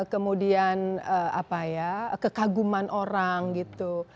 kemudian apa ya kekaguman orang gitu